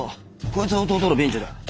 こいつは弟の弁治だ。